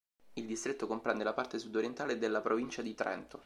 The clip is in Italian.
Il distretto comprende la parte sud-orientale della provincia di Trento.